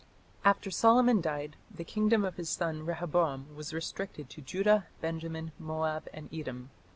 After Solomon died, the kingdom of his son Rehoboam was restricted to Judah, Benjamin, Moab, and Edom.